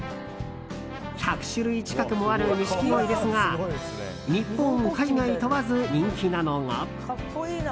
１００種類近くもあるニシキゴイですが日本、海外問わず人気なのが。